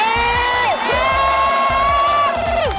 เร็ว